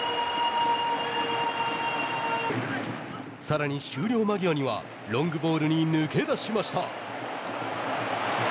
さらに、終了間際にはロングボールに抜け出しました。